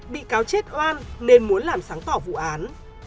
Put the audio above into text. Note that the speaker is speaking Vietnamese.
bị cáo chết oan nên muốn làm sáng tỏ vụ án